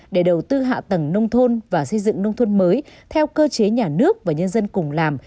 để đầu tư hạ tầng nông thôn và xây dựng nông thôn mới theo cơ chế nhà nước và nhân dân cùng làm